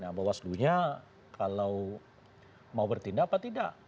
nah bawaslu nya kalau mau bertindak apa tidak